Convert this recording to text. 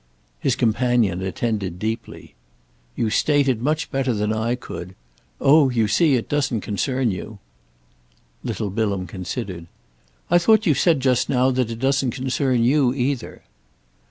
His companion attended deeply. "You state it much better than I could." "Oh you see it doesn't concern you." Little Bilham considered. "I thought you said just now that it doesn't concern you either."